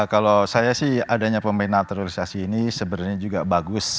kalau saya sih adanya pemain naturalisasi ini sebenarnya juga bagus